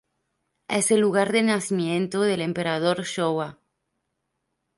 Es el lugar de nacimiento del Emperador Shōwa.